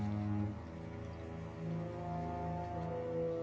うん